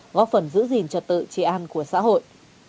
góp phần giữ gìn trật tự trị an của xã hội